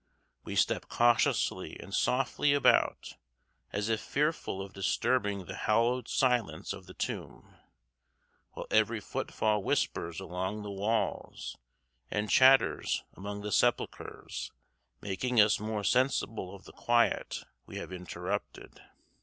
We step cautiously and softly about, as if fearful of disturbing the hallowed silence of the tomb, while every footfall whispers along the walls and chatters among the sepulchres, making us more sensible of the quiet we have interrupted.